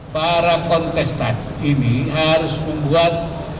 para kontestan ini harus membuat